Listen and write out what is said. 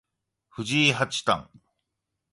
藤井八冠